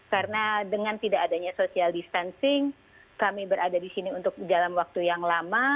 karena dengan tidak adanya social distancing kami berada di sini untuk dalam waktu yang lama